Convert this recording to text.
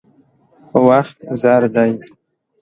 وخت زر دی.